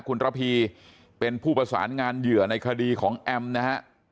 คุณระพีเป็นผู้ประสานงานเหยื่อในคดีของแอมนะฮะ